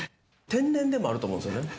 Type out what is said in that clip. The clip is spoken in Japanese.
天然でもあると思うんですよね。